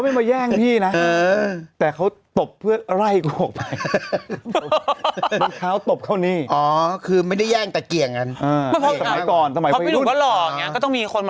ไม่มีมีแต่พี่เนี่ยโดน